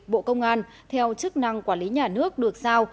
bộ công an theo chức năng quản lý nhà nước được sao